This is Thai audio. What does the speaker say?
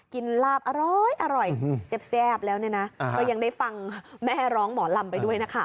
ลาบอร้อยแซ่บแล้วเนี่ยนะก็ยังได้ฟังแม่ร้องหมอลำไปด้วยนะคะ